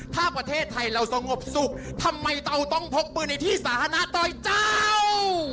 ถ้าประเทศไทยเราสงบสุขทำไมเราต้องพกปืนในที่สาธารณะต่อยเจ้า